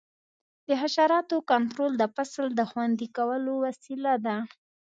د حشراتو کنټرول د فصل د خوندي کولو وسیله ده.